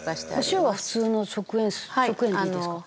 お塩は普通の食塩食塩でいいですか？